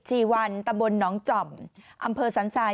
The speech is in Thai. ีวันตำบลหนองจ่อมอำเภอสันทราย